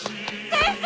先生。